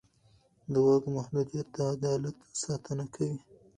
د واک محدودیت د عدالت ساتنه کوي